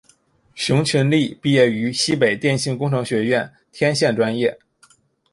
熊群力毕业于西北电讯工程学院天线专业。